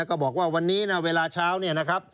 ก็บอกว่าวันนี้นะเวลาเช้าเนี่ยนะครับ